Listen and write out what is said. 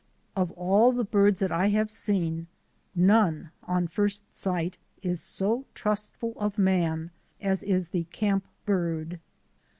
Of all the birds that I have seen, none, on first sight, is so trustful of man as is the camp bird.